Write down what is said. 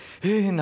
何？